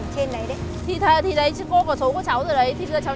chú hỏi ai biết thầy của cháu